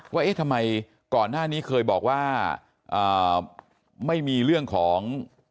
ว่าเอ๊ะทำไมก่อนหน้านี้เคยบอกว่าไม่มีเรื่องของ